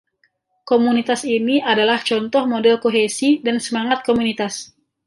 Komunitas ini adalah contoh model kohesi dan semangat komunitas.